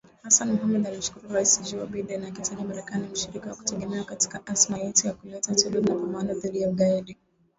Hassan Mohamud alimshukuru Rais Joe Biden akiitaja Marekani “mshirika wa kutegemewa katika azma yetu ya kuleta utulivu na mapambano dhidi ya ugaidi”